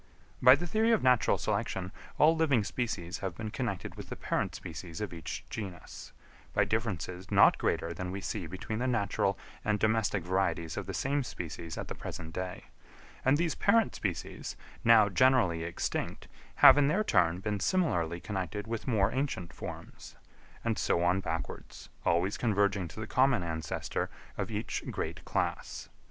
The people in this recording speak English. By the theory of natural selection all living species have been connected with the parent species of each genus, by differences not greater than we see between the natural and domestic varieties of the same species at the present day; and these parent species, now generally extinct, have in their turn been similarly connected with more ancient forms; and so on backwards, always converging to the common ancestor of each great class.